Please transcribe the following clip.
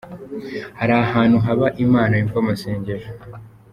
Hari ahantu haba Imana yumva amasengesho.